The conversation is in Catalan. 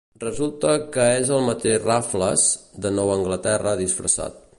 Resulta que és el mateix Raffles, de nou a Anglaterra disfressat.